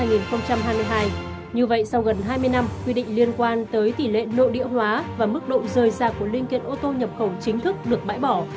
như vậy sau gần hai mươi năm quy định liên quan tới tỷ lệ nội địa hóa và mức độ rời rạc của linh kiện ô tô nhập khẩu chính thức được bãi bỏ